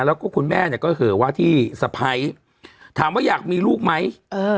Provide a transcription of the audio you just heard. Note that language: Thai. แล้วก็คุณแม่เนี่ยก็เหอะว่าที่สะพ้ายถามว่าอยากมีลูกไหมเออ